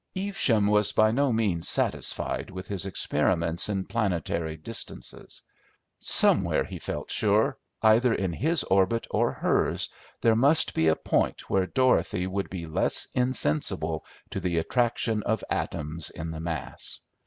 Evesham was by no means satisfied with his experiments in planetary distances. Somewhere, he felt sure, either in his orbit or hers, there must be a point where Dorothy would be less insensible to the attraction of atoms in the mass.